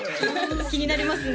気になりますね